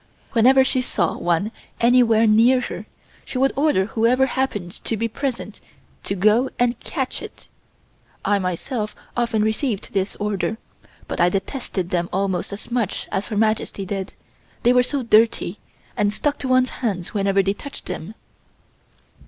Whenever she saw one anywhere near her, she would order whoever happened to be present to go and catch it. I myself often received this order, but I detested them almost as much as Her Majesty did, they were so dirty, and stuck to one's hands whenever they touched them.